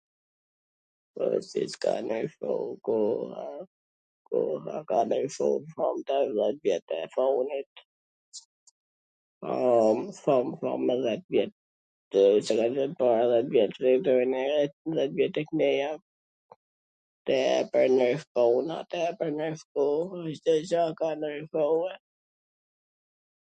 Po si s ka ndryshu koha? Koha ka ndryshu kto dhjet vjet e funit, po thom dhjet vjet, se edhe mw pwrpara... tepwr ndryshu, tepwr ndryshu ... Cdo gja ka ndryshue,